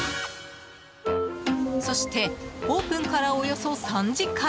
そしてオープンからおよそ３時間。